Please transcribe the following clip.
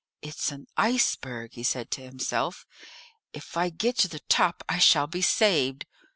"It's an iceberg!" he said to himself: "if I get to the top I shall be saved."